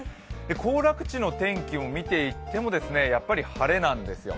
行楽地の天気を見ていってもやっぱり晴れなんですよ。